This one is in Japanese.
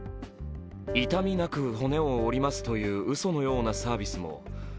「痛みなく骨を折ります」といううそのようなサービスも１５００